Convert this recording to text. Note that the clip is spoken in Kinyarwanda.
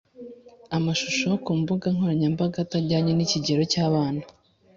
amashusho ku mbuga nkoranyambaga atajyanye n ikigero cy abana